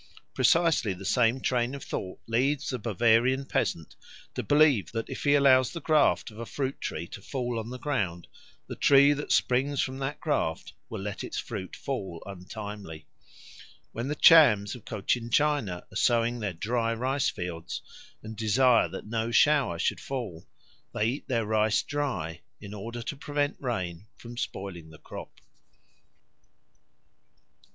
Precisely the same train of thought leads the Bavarian peasant to believe that if he allows the graft of a fruit tree to fall on the ground, the tree that springs from that graft will let its fruit fall untimely. When the Chams of Cochinchina are sowing their dry rice fields and desire that no shower should fall, they eat their rice dry in order to prevent rain from spoiling the crop.